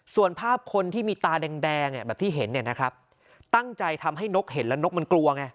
ส่วนภาพคนที่มีตาแดงแบบที่เห็นเนี่ยนะครับตั้งใจทำให้นกเห็นแล้วนกมันกลัวไง